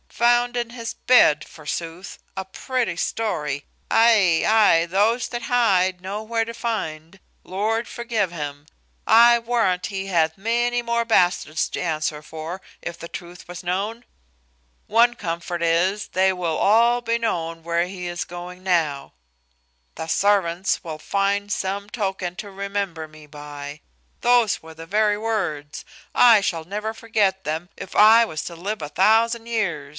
Found in his bed, forsooth! a pretty story! ay, ay, those that hide know where to find. Lord forgive him! I warrant he hath many more bastards to answer for, if the truth was known. One comfort is, they will all be known where he is a going now. `The servants will find some token to remember me by.' Those were the very words; I shall never forget them, if I was to live a thousand years.